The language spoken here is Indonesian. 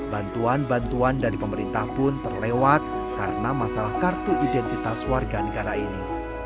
bantuan bantuan dari pemerintah pun terlewat karena masalah kartu identitas warga negara ini